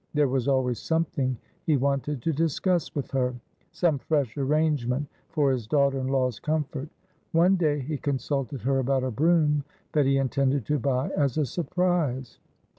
There was always something he wanted to discuss with her. Some fresh arrangement for his daughter in law's comfort. One day he consulted her about a brougham that he intended to buy as a surprise.